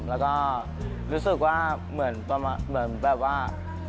แล้วก็รู้สึกว่าเหมือนแบบว่า